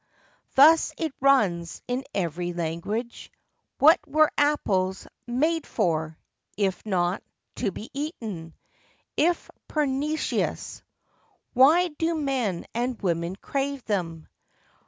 Thus it runs in every language: "What were apples made for, if not To be eaten ? If pernicious, Why do men and women crave them